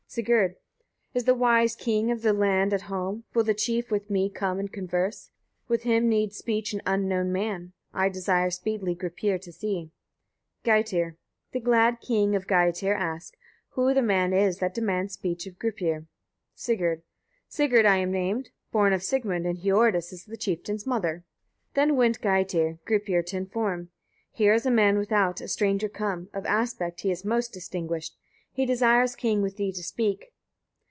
Sigurd. 2. Is the wise king of the land at home? Will the chief with me come and converse? With him needs speech an unknown man: I desire speedily Gripir to see. Geitir. 3. The glad king will of Geitir ask, who the man is that demands speech of Gripir. Sigurd. Sigurd I am named, born of Sigmund, and Hiordis is the chieftain's mother. 4. Then went Geitir, Gripir to inform: "Here is a man without, a stranger, come; of aspect he is most distinguished. He desires, king! with thee to speak."